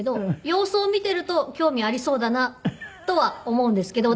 様子を見ていると興味ありそうだなとは思うんですけど。